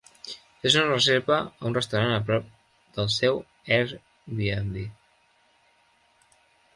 Fes una reserva a un restaurant a prop del seu airbnb